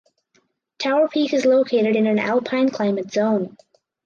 Tower Peak is located in an alpine climate zone.